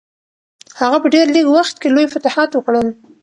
هغه په ډېر لږ وخت کې لوی فتوحات وکړل.